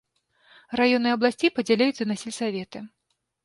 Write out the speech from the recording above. Раёны абласцей падзяляюцца на сельсаветы.